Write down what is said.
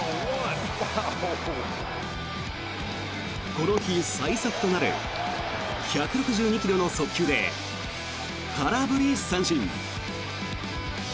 この日最速となる１６２ｋｍの速球で空振り三振。